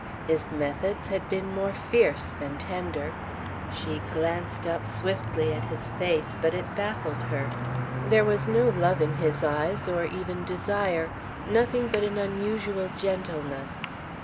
His methods had been more fierce than tender. She glanced up swiftly at his face, but it baffled her. There was no love in his eyes or even desire, nothing but an unusual gentleness.